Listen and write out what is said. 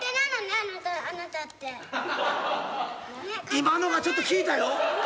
「今のはちょっと効いたよ」